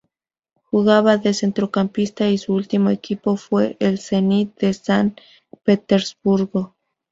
Jugaba de centrocampista y su último equipo fue el Zenit de San Petersburgo.